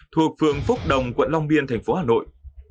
thuộc phường phúc đồng quận long biên thành phố hà nội